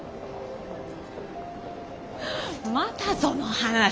またその話？